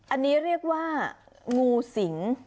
อันนี้เรียกว่างูสิง